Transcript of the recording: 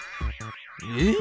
えっ？